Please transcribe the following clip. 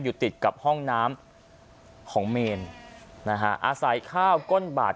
อยู่ติดกับห้องน้ำของเมนนะฮะอาศัยข้าวก้นบาท